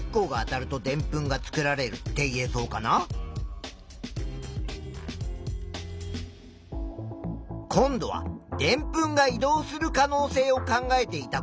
今度はでんぷんが移動する可能性を考えていた子のプラン。